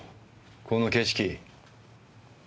この景色。